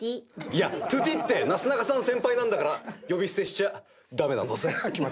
いや「とぅてぃ」ってなすなかさん先輩なんだから呼び捨てしちゃダメなんだぜ。